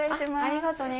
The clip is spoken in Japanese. ありがとね。